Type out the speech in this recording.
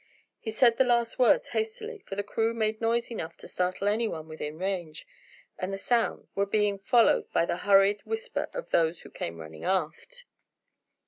He said the last words hastily, for the crew made noise enough to startle any one within range, and the sound: were being followed by the hurried whisper of those who came running aft.